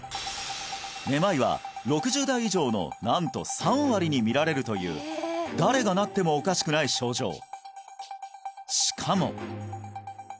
めまいは６０代以上のなんと３割に見られるという誰がなってもおかしくない症状